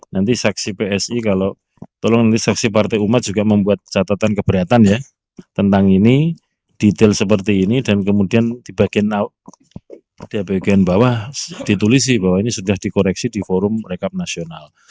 nanti saksi psi kalau tolong nanti saksi partai umat juga membuat catatan keberatan ya tentang ini detail seperti ini dan kemudian di bagian bawah ditulisi bahwa ini sudah dikoreksi di forum rekap nasional